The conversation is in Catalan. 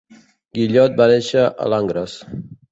Gillot va néixer a Langres.